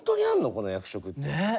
この役職って。ねえ。